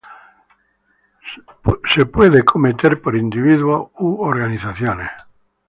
Puede ser cometido por individuos u organizaciones.